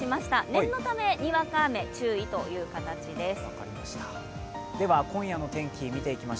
念のためにわか雨注意という形です。